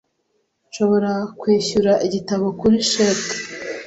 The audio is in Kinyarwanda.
Nshobora kwishyura igitabo kuri cheque?